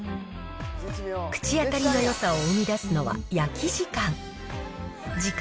口当たりのよさを生み出すのは焼き時間。